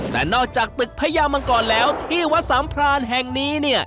แต่นอกจากตึกพญามังกรแล้วที่วัดสามพรานแห่งนี้เนี่ย